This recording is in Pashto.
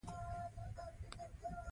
واکسين ژوند ژغوري.